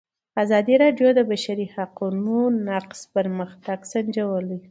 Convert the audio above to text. ازادي راډیو د د بشري حقونو نقض پرمختګ سنجولی.